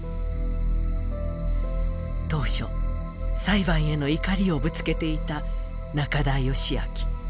当初、裁判への怒りをぶつけていた中田善秋。